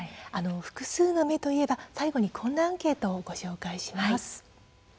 複数の目といえば最後にこんなアンケートをご紹介します。